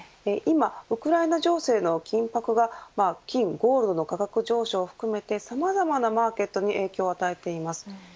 今、ウクライナ情勢の緊迫が金ゴールドの価格上昇を含めてさまざまなマーケットに影響を与えています。